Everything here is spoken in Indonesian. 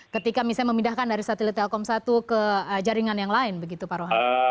ketika misalnya memindahkan dari satelit telkom satu ke jaringan yang lain begitu pak rohani